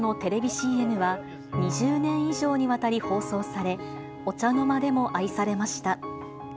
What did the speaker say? ＣＭは、２０年以上にわたり放送され、お茶の間でも愛されました。